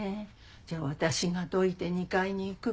じゃあ私がどいて２階に行くから。